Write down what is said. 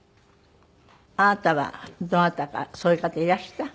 あなたはどなたかそういう方いらした？